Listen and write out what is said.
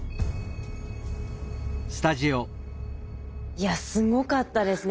いやすごかったですね。